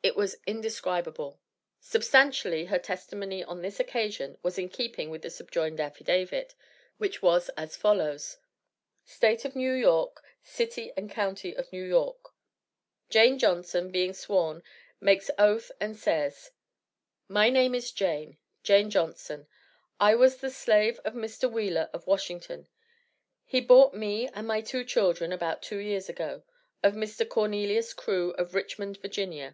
It was indescribable. Substantially, her testimony on this occasion, was in keeping with the subjoined affidavit, which was as follows "State of New York, City and County of New York. "Jane Johnson being sworn, makes oath and says "My name is Jane Jane Johnson; I was the slave of Mr. Wheeler of Washington; he bought me and my two children, about two years ago, of Mr. Cornelius Crew, of Richmond, Va.